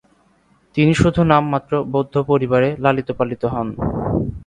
তিনি শুধু নামমাত্র বৌদ্ধ পরিবারে লালিত পালিত হন।